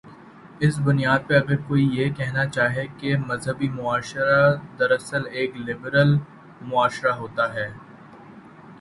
اس بنیاد پر اگر کوئی یہ کہنا چاہے کہ مذہبی معاشرہ دراصل ایک لبرل معاشرہ ہوتا ہے۔